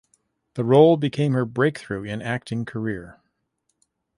The role became her breakthrough in acting career.